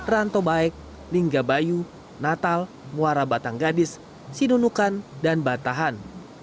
rantau baik lingga bayu natal muara batang gadis sinunukan dan batahan